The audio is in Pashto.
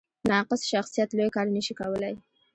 ناقص شخصیت لوی کار نه شي کولی.